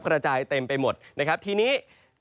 กระจายเต็มไปหมดนะครับทีนี้